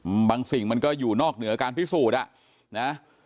บางสิ่งมันก็อยู่นอกเหนือการพิสูจน์อ่ะนะ